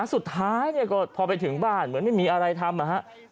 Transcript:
สุดท้ายก็พอไปถึงบ้านเหมือนไม่มีอะไรทำนะฮะ